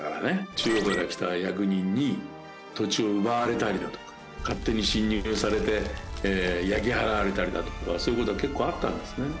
中央から来た役人に土地を奪われたりだとか勝手に侵入されて焼き払われたりだとかそういう事が結構あったんですね。